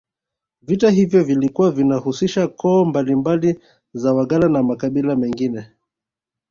Vita hivyo vilikuwa vinahusisha koo mbalimbali za Wagala na makabila mengine